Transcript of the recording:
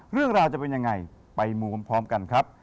เรื่องราวจะเป็นยังไงไปมูพร้อมกันครับ